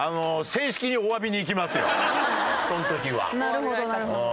なるほどなるほど。